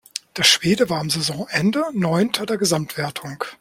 Der Schwede war am Saisonende neunter der Gesamtwertung.